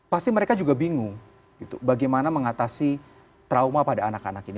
pasti mereka juga bingung bagaimana mengatasi trauma pada anak anak ini